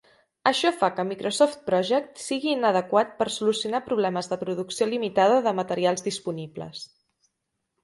Això fa que Microsoft Project sigui inadequat per solucionar problemes de producció limitada de materials disponibles.